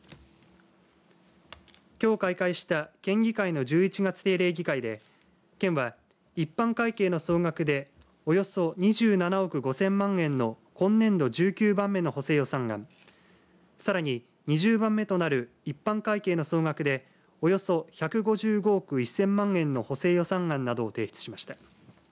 きょう開会した県議会の１１月定例議会で県は、一般会計の総額でおよそ２７億５０００万円の今年度１９番目の補正予算案さらに、２０番目となる一般会計の総額でおよそ１５５億１０００万円の補正予算案などを提出しました。